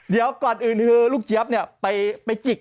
เดี๋ยวก่อนอื่นคือลูกเจี๊ยบเนี่ยไปจิก